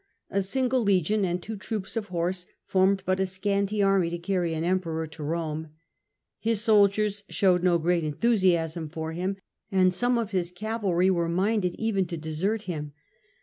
A single legion and pt Spain, he two troops of horse formed but a scanty army small force, to carry an Emperor to Rome. His soldiers pot hemty in showed no great enthusiasm for him, and some Hs cause, of his cavalry were minded even to desert him.